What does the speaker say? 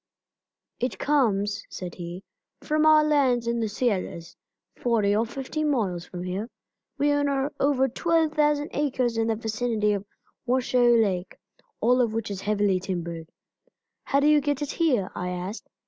"It comes," said he, "from our lands in the Sierras, forty or fifty miles from here. We own over twelve thousand acres in the vicinity of Washoe Lake, all of which is heavily timbered." "How do you get it here?" I asked.